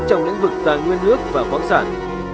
trong lĩnh vực tàng nguyên nước và quán sản